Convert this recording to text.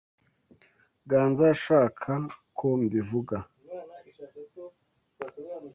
Ganza yashaka ko mbivuga.